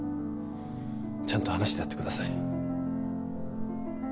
ちゃんと話してやってください。